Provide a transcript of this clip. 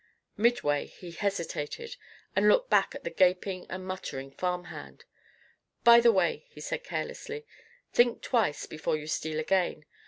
Midway, he hesitated; and looked back at the gaping and muttering farm hand. "By the way," he said carelessly, "think twice before you steal again.